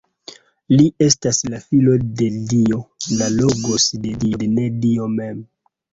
Li estas la Filo de Dio, la "Logos" de Dio, sed ne Dio mem.